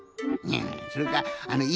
それかあの１